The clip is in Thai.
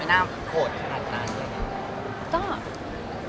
น่าโหดขนาดนั้นอะไรอย่างนี้